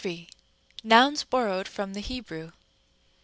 Nouns borrowed from the Hebrew.